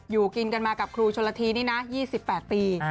อยู่กินกันมากับครูชนละทีนี่นะ๒๘ปี